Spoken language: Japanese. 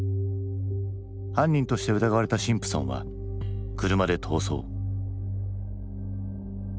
犯人として疑われたシンプソンは車で逃走。